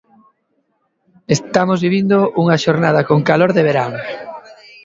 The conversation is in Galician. Estamos vivindo unha xornada con calor de verán.